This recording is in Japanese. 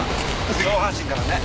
上半身からね。